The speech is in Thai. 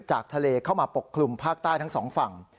จากทะเลเข้ามาปกคลุมภาคใต้ทั้งสองฝั่ง